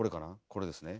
これですね。